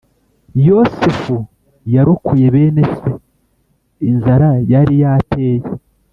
Yosefu yarokoye bene se inzara yari yateye